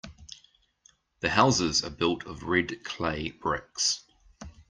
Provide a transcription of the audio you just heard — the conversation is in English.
The houses are built of red clay bricks.